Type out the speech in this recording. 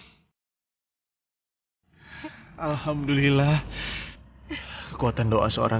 bagi allah tidak mungkin aku tak setiaascam harmon